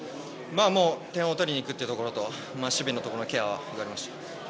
点を取りにいくってところと、守備のところのケアをやりました。